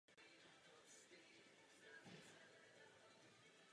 Jakob Brand.